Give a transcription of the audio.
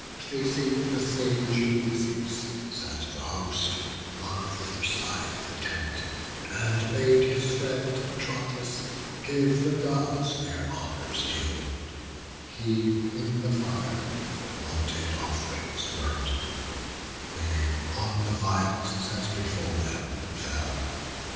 Facing the sage Ulysses, sat the host On th' other side the tent; and bade his friend, Patroclus, give the Gods their honours due: He in the fire the wonted off'rings burnt: They on the viands set before them fell.